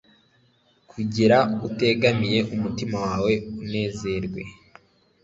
Kugira utegamiye umutima wawe unezerwe